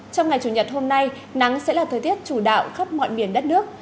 trong ngày chủ nhật hôm nay nắng sẽ là thời tiết chủ đạo khắp mọi miền đất nước